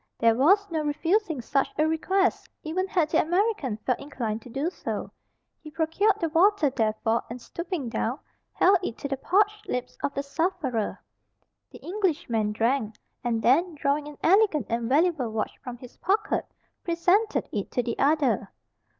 There was no refusing such a request, even had the American felt inclined to do so; he procured the water therefore, and stooping down, held it to the parched lips of the sufferer. The Englishman drank, and then drawing an elegant and valuable watch from his pocket, presented it to the other.